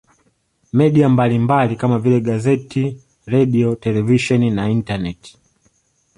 Media mbalimbali kama vile gazeti redio televisheni na intaneti